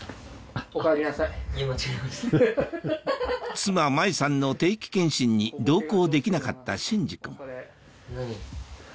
妻・麻衣さんの定期検診に同行できなかった隼司君何？